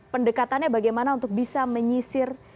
pendekatannya bagaimana untuk bisa menyisir